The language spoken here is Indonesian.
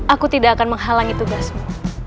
aku tidak akan menghalangi tugasmu